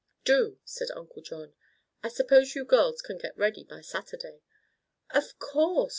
"Do," said Uncle John. "I suppose you girls can get ready by Saturday?" "Of course!"